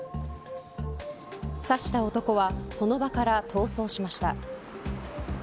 刺した男はその場から逃走しました。